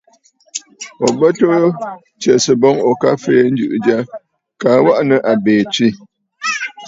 Ò bə tuu tsɛ̀sə̀ boŋ ò ka fèe njɨ̀ʼɨ̀ jya kaa waʼà nɨ̂ àbìì tswə̂.